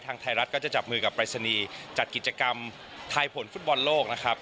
ไทยรัฐก็จะจับมือกับปรายศนีย์จัดกิจกรรมทายผลฟุตบอลโลกนะครับ